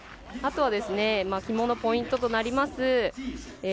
あとは旗門のポイントとなります